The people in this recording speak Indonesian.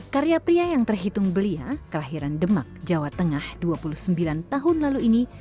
karya pria yang terhitung belia kelahiran demak jawa tengah dua puluh sembilan tahun lalu ini